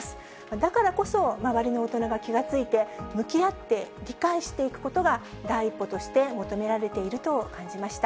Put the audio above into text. だからこそ、周りの大人が気が付いて、向き合って、理解していくことが、第一歩として求められていると感じました。